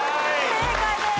正解です。